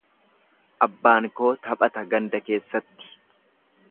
Abbaan koo taphata ganda keessatti.